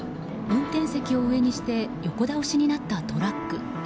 運転席を上にして横倒しになったトラック。